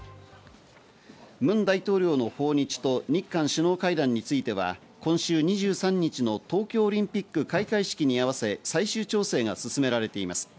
ムン大統領の訪日と日韓首脳会談については、今週２３日の東京オリンピック開会式に合わせ、最終調整が進められています。